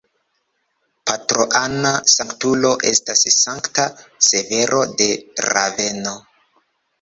Patrona sanktulo estas Sankta Severo de Raveno.